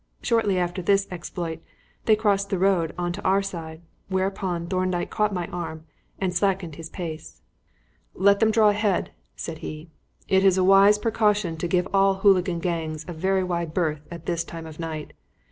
Shortly after this exploit they crossed the road on to our side, whereupon Thorndyke caught my arm and slackened his pace. "Let them draw ahead," said he. "It is a wise precaution to give all hooligan gangs a very wide berth at this time of night.